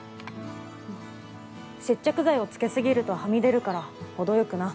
接着剤を付け過ぎるとはみ出るから程よくな。